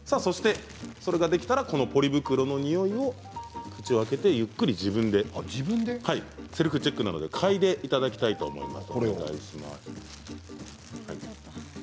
それができたらポリ袋のにおいを口を開けてゆっくり自分でセルフチェックなので嗅いでいただきたいと思います。